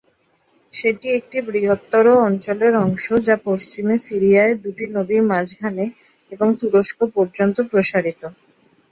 সেটি একটি বৃহত্তর অঞ্চলের অংশ যা পশ্চিমে সিরিয়ায় দুটি নদীর মাঝখানে এবং তুরস্ক পর্যন্ত প্রসারিত।